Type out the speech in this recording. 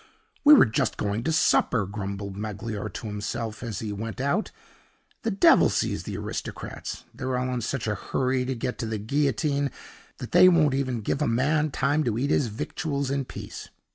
"We were just going to supper," grumbled Magloire to himself, as he went out. "The devil seize the Aristocrats! They're all in such a hurry to get to the guillotine that they won't even give a man time to eat his victuals in peace!"